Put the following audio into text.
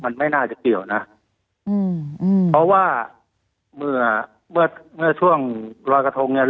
มันไม่น่าจะเกี่ยวนะอืมเพราะว่าเมื่อเมื่อช่วงรอยกระทงเนี่ย